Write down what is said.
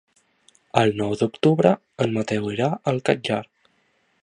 El nou d'octubre en Mateu irà al Catllar.